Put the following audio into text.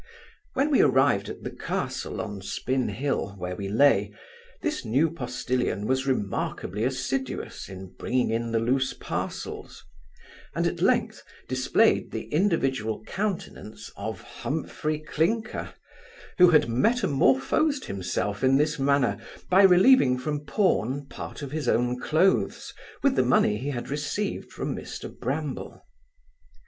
When we arrived at the Castle, on Spin hill, where we lay, this new postilion was remarkably assiduous in bringing in the loose parcels; and, at length, displayed the individual countenance of Humphry Clinker, who had metamorphosed himself in this manner, by relieving from pawn part of his own clothes, with the money he had received from Mr Bramble.